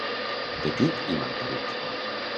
petit i mal parit